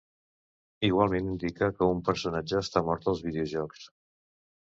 Igualment indica que un personatge està mort als videojocs.